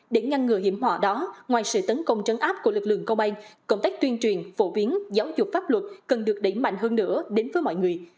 để ngăn ngừa hiểm họa đó ngoài sự tấn công trấn áp của lực lượng công an công tác tuyên truyền phổ biến giáo dục pháp luật cần được đẩy mạnh hơn nữa đến với mọi người